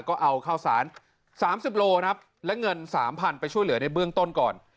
ก็เอาข้าวสาร๓๐โลครับและเงิน๓๐๐ไปช่วยเหลือในเบื้องต้นก่อน